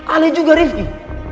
alih juga riffy